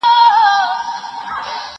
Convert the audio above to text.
زه هره ورځ د کتابتون کتابونه لوستل کوم!